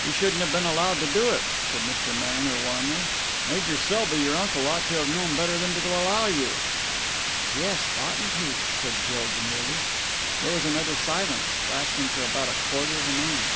"You shouldn't have been allowed to do it," said Mr. Mariner warmly. "Major Selby, your uncle, ought to have known better than to allow you." "Yes, oughtn't he?" said Jill demurely. There was another silence, lasting for about a quarter of a mile.